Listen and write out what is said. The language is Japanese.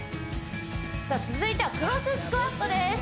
じゃあ続いてはクロススクワットです